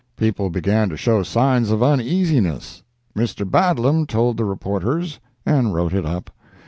People began to show signs of uneasiness. Mr. Badlam told the reporters and wrote it up.